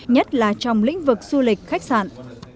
nhất là trong lĩnh vực du lịch khách sạn